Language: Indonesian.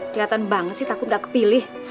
kelihatan banget sih takut gak kepilih